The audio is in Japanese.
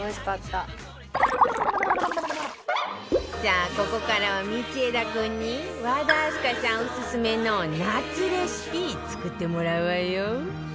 さあここからは道枝君に和田明日香さんオススメの夏レシピ作ってもらうわよ